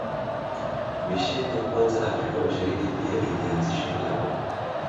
Misheni ya kwanza Afrika Mashariki pia ilianzishwa Bagamoyo